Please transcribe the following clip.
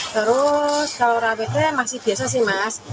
terus kalau rabetnya masih biasa sih mas